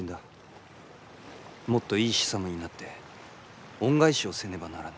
もっといいシサムになって恩返しをせねばならぬ。